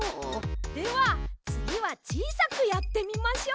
ではつぎはちいさくやってみましょう。